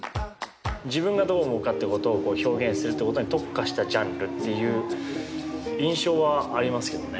自分がどう思うかってことをこう表現するってことに特化したジャンルっていう印象はありますけどね。